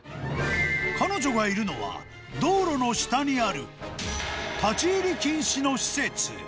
彼女がいるのは、道路の下にある立ち入り禁止の施設。